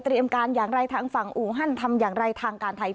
การอย่างไรทางฝั่งอูฮันทำอย่างไรทางการไทย